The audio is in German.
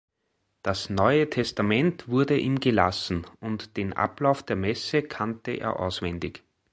Das Neue Testament wurde ihm gelassen, und den Ablauf der Messe kannte er auswendig.